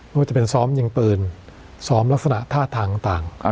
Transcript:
ว่าจะเป็นซ้อมยิงปืนซ้อมลักษณะท่าทางต่าง